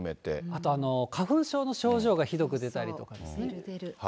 あと、花粉症の症状がひどく出たりとかですね。